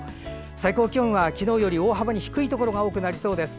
最高気温は昨日より大幅に低いところが多くなりそうです。